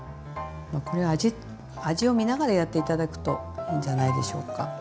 これは味を見ながらやって頂くといいんじゃないでしょうか。